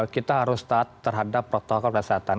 kita harus taat terhadap protokol kesehatan